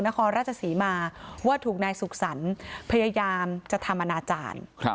นครราชศรีมาว่าถูกนายสุขสรรค์พยายามจะทำอนาจารย์